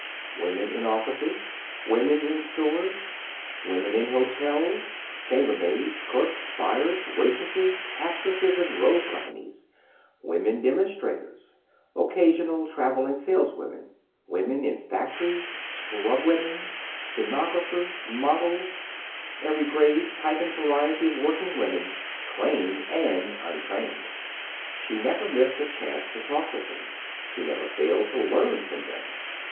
Women in offices, women in stores, women in hotels chamber maids, clerks, buyers, waitresses, actresses in road companies, women demonstrators, occasional traveling saleswomen, women in factories, scrubwomen, stenographers, models every grade, type and variety of working woman, trained and untrained. She never missed a chance to talk with them. She never failed to learn from them.